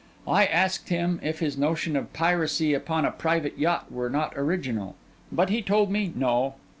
I asked him, if his notion of piracy upon a private yacht were not original. But he told me, no.